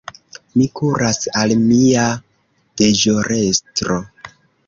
Mi kuras al mia deĵorestro.